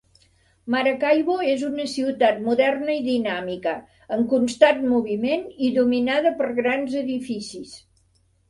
Maracaibo és una ciutat moderna i dinàmica, en constant moviment i dominada per grans edificis.